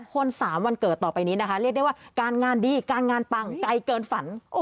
คนสามวันเกิดต่อไปนี้นะคะเรียกได้ว่าการงานดีการงานปังไกลเกินฝัน